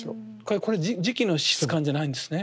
これ磁器の質感じゃないんですね。